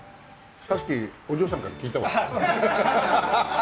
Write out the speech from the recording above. さっきお嬢さんから聞いたわ。